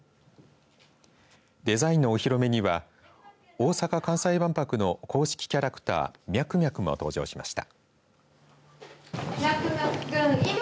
デザインのお披露目には大阪・関西万博の公式キャラクターミャクミャクも登場しました。